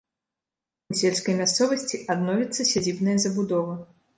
У сельскай мясцовасці адновіцца сядзібная забудова.